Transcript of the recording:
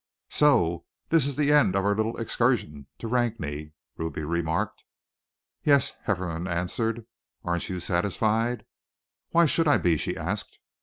"So this is the end of our little excursion to Rakney," Ruby remarked. "Yes!" Hefferom answered. "Aren't you satisfied?" "Why should I be?" she asked.